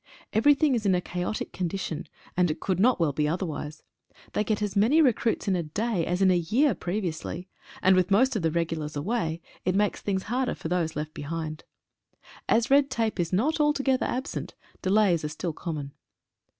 Everything is in a chaotic condition, and it could not well be otherwise. They get as many recruits in a day as in a year pre viously, and with most of the regulars away, it makes things harder for those reft behind. As red tape is not altogether absent, delays are still common.